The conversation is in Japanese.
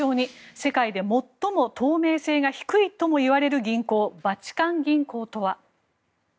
世界で最も透明性が低いともいわれる銀行バチカン銀行とは。